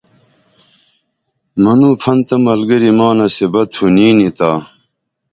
منوں پھن تہ ملگری ما نصیبہ تھونیں نی تا